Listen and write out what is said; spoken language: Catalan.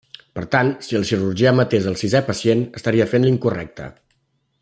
Per tant, si el cirurgià matés al sisè pacient, estaria fent l'incorrecte.